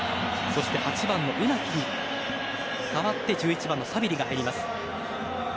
そして８番のウナヒに代わって１１番のサビリが入ります。